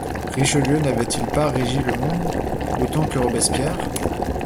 Richelieu n'avait-il pas régi le monde, autant que Robespierre?